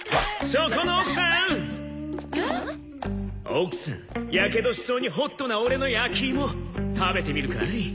「奥さんやけどしそうにホットなオレの焼き芋食べてみるかい？」